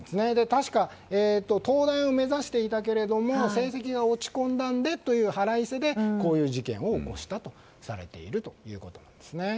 確か東大を目指していたけれども成績が落ち込んだのでという腹いせで、こういう事件を起こしたとされているということです。